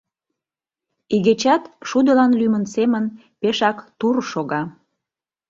Игечат, шудылан лӱмын семын, пешак «тур» шога.